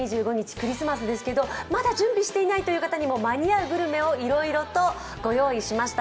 クリスマスですけれどもまだ準備していないという方にも間に合うグルメをいろいろとご用意しました。